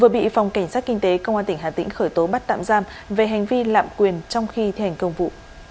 vừa bị phòng cảnh sát kinh tế công an tỉnh hà tĩnh khởi tố bắt tạm giam về hành vi lạm quyền trong khi thi hành công vụ